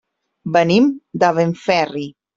Venim de Benferri.